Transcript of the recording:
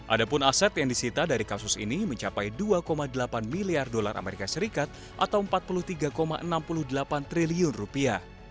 ada pun aset yang disita dari kasus ini mencapai dua delapan miliar dolar amerika serikat atau empat puluh tiga enam puluh delapan triliun rupiah